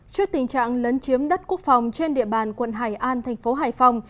trước tình trạng lấn chiếm đất quốc phòng trên địa bàn quận hải an thành phố hải phòng